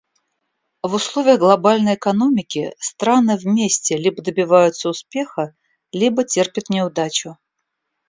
В условиях глобальной экономики страны вместе либо добиваются успеха, либо терпят неудачу.